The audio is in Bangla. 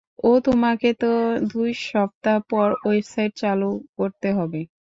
ও, তোমাকে তো দুই সপ্তাহ পর, ওয়েবসাইট চালু করতে হবে।